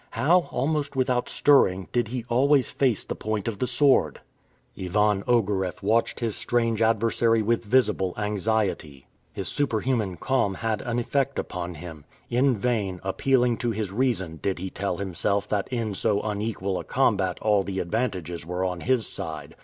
How, almost without stirring, did he always face the point of the sword? Ivan Ogareff watched his strange adversary with visible anxiety. His superhuman calm had an effect upon him. In vain, appealing to his reason, did he tell himself that in so unequal a combat all the advantages were on his side.